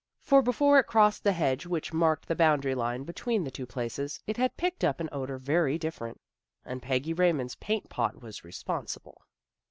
For before it crossed the hedge, which marked the boundary line between the two places, it had picked up an odor very different. And Peggy Raymond's paint pot was respon sible.